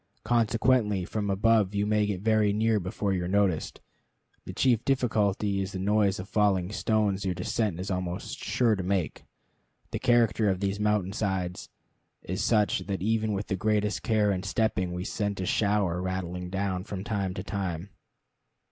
Consequently from above you may get very near before you are noticed. The chief difficulty is the noise of falling stones your descent is almost sure to make. The character of these mountain sides is such that even with the greatest care in stepping we sent a shower rattling down from time to time.